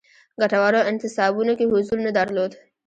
ګټورو انتصابونو کې حضور نه درلود.